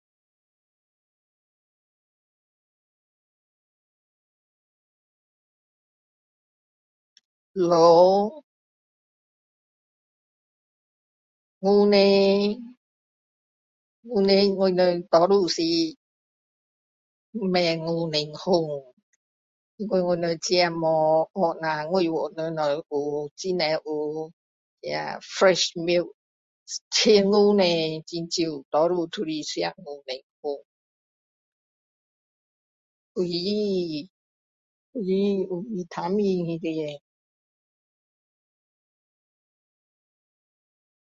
蛋牛奶牛奶我们多数是买牛奶粉因为我们自己没像外国有很多有很多那fresh milk鲜牛奶很少多数都是吃牛奶粉水果是维他命的